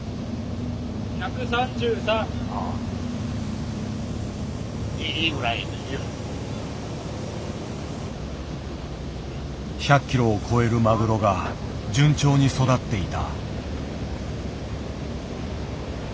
ああ１００ｋｇを超えるマグロが順調に育っていた。